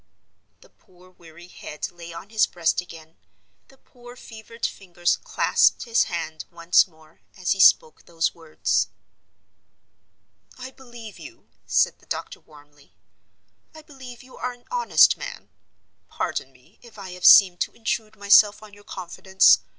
The poor weary head lay on his breast again, the poor fevered fingers clasped his hand once more, as he spoke those words. "I believe you," said the doctor, warmly. "I believe you are an honest man.—Pardon me if I have seemed to intrude myself on your confidence.